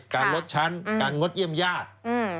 การลดชั้นการงดเยี่ยมญาติ